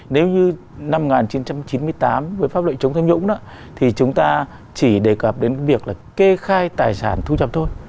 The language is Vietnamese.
nếu như năm một nghìn chín trăm chín mươi tám với pháp lệnh chống tham nhũng đó thì chúng ta chỉ đề cập đến việc là kê khai tài sản thu nhập thôi